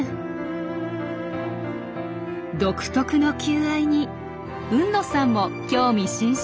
独特の求愛に海野さんも興味津々。